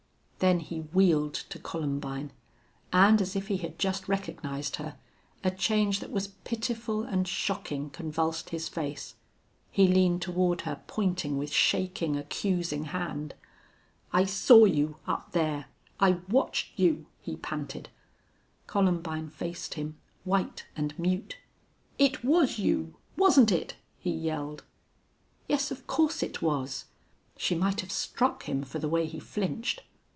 Then he wheeled to Columbine, and as if he had just recognized her, a change that was pitiful and shocking convulsed his face. He leaned toward her, pointing with shaking, accusing hand. "I saw you up there. I watched you," he panted. Columbine faced him, white and mute. "It was you wasn't it?" he yelled. "Yes, of course it was." She might have struck him, for the way he flinched.